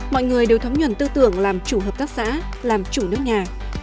mọi người đều thấm nhuận tư tưởng làm chủ hợp tác xã làm chủ nước nhà